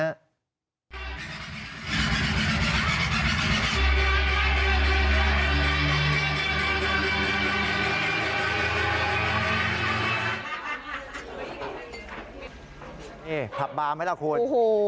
นี่ผับบาร์ไหมล่ะคุณโอ้โห